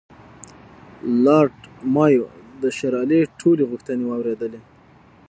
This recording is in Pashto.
لارډ مایو د شېر علي ټولې غوښتنې واورېدلې.